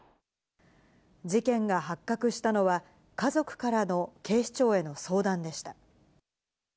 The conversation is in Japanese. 事件が発覚したのは家族からの警視庁への相談でした。